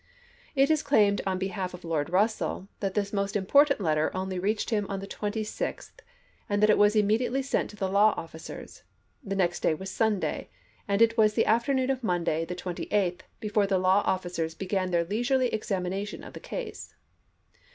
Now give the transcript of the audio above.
It is claimed on behalf of Lord Russell that this most important letter only reached him on the 26th and that it was immediately sent to the law offi cers. The next day was Sunday, and it was the afternoon of Monday, the 28th, before the law offi ii)id.,p. 354. cers began their leisurely examination of the case.